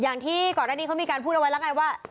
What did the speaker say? อย่างที่ก่อนหน้านี้เขามีการพูดเอาไว้แล้วไงว่า